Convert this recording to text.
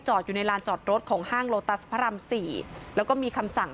อยู่ในลานจอดรถของห้างโลตัสพระรามสี่แล้วก็มีคำสั่ง